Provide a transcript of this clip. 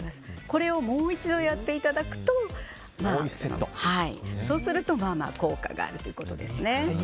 これをもう一度やっていただくとそうすると効果があるということです。